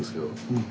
うん。